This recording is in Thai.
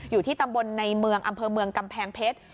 อยู่ที่ตำบลในเมืองอำเภอเมืองกำแพงเพชร